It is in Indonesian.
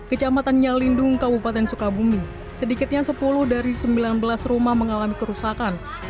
kecamatan nyalindung kabupaten sukabumi sedikitnya sepuluh dari sembilan belas rumah mengalami kerusakan